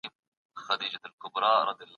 د قانون واکمني به په ټولنه کي پياوړې سي.